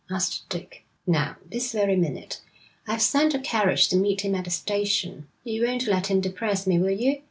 asked Dick. 'Now, this very minute. I've sent a carriage to meet him at the station. You won't let him depress me, will you?'